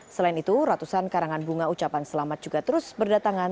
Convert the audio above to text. selain itu ratusan karangan bunga ucapan selamat juga terus berdatangan